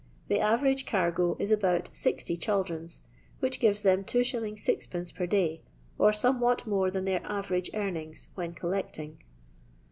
The average cargo is about 60 chaldrons, which gives them 2s. 6of. per day, or somewhat more than their average earnings when collecting.